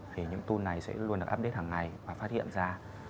thì những tool này sẽ luôn được update hàng ngày và phát hiện ra